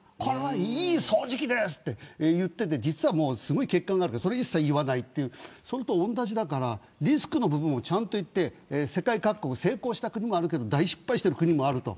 いい掃除機ですと言っていても実は欠陥があってそれは言わないそれと同じだからリスクもちゃんと言って世界で成功した国もあるけど大失敗した国もある。